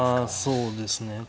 そうですね。